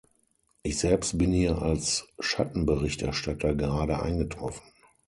Ich selbst bin hier als Schattenberichterstatter gerade eingetroffen.